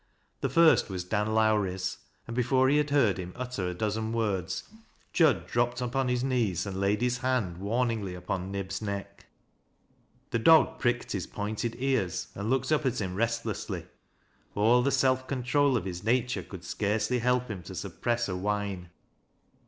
The first was Dan Lowrie's, and before he had heard him utter a dozen words, Jud dropped upon his knees and laid his hand warningly upon Nib's neck. The dog pricked his pointed ears and looked up at him restlessly. All the self control of his nature could scarcely help him tD suppress a whine.